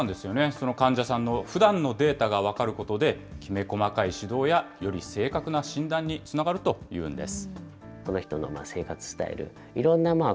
その患者さんのふだんのデータが分かることで、きめ細かい指導やより正確な診断につながるというんです。